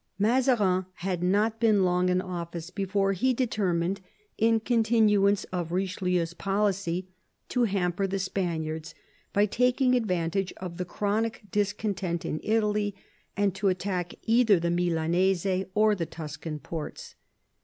Mazarin had not been long in office before he deter mined, in continuance of Eichelieu's policy, to hamper the Spaniards by taking advantage of the chronic dis content in Italy, and to attack either the Milanese or the Tuscan ports.